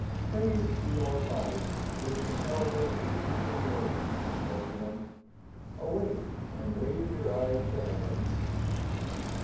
"'Praised be our poverty, which compels us to sleep in the open!' he said to them. 'Awake! and raise your eyes to heaven!